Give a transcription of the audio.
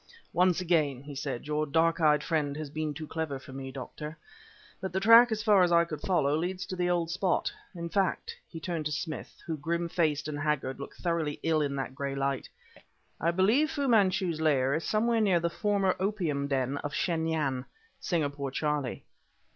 "Once again," he said, "your dark eyed friend has been too clever for me, Doctor. But the track as far as I could follow, leads to the old spot. In fact," he turned to Smith, who, grim faced and haggard, looked thoroughly ill in that gray light "I believe Fu Manchu's lair is somewhere near the former opium den of Shen Yan 'Singapore Charlie.